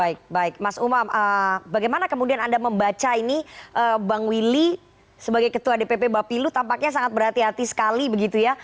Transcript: baik baik mas umam bagaimana kemudian anda membaca ini bang willy sebagai ketua dpp bapilu tampaknya sangat berhati hati sekali begitu ya